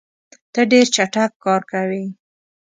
ته ډېر چټک کار کوې.